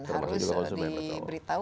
termasuk juga konsumen